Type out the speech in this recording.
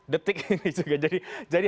detik ini juga jadi